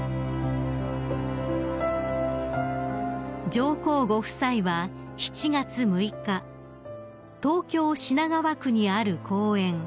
［上皇ご夫妻は７月６日東京品川区にある公園